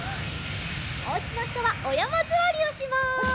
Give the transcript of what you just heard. おうちのひとはおやまずわりをします。